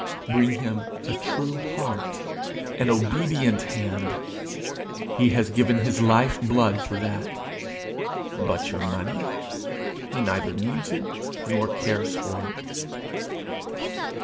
Bring him a true heart, an obedient hand: he has given his life blood for that; but your money he neither needs it nor cares for it.'